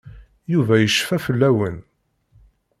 Yuba yecfa fell-awen.